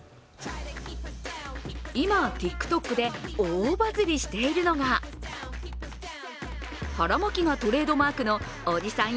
今、ＴｉｋＴｏｋで大バズリしているのが腹巻きがトレードマークのおじさん